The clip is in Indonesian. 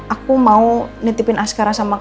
aku mau nitipin askarah sama mas al